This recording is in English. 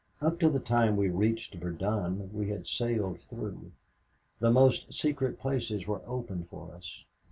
"Up to the time we reached Verdun we had sailed through. The most secret places were opened for us.